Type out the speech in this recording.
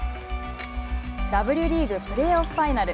Ｗリーグプレーオフファイナル。